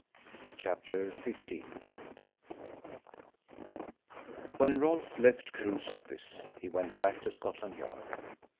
CHAPTER XV When Rolfe left Crewe's office he went back to Scotland Yard.